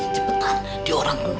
cepetan diorang menunggu